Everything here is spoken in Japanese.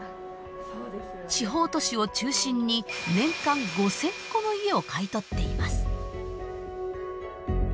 地方都市を中心に年間５，０００戸の家を買い取っています。